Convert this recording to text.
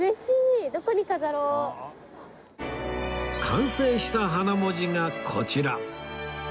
完成した花文字がこちら